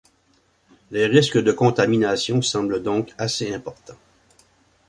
Les risques de contaminations semblent donc assez importants.